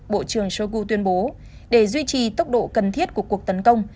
bộ trưởng shoigu tuyên bố để duy trì tốc độ cần thiết của cuộc tấn công